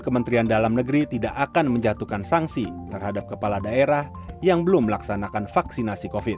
kementerian dalam negeri memberikan legitimasi kepada pejabat pengganti di daerah yang kepala daerahnya belum dilantik pasca pilkada untuk melaksanakan program vaksinasi